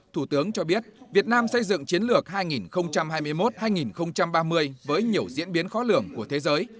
thủ tướng cho biết việt nam xây dựng chiến lược hai nghìn hai mươi một hai nghìn ba mươi với nhiều diễn biến khó lường của thế giới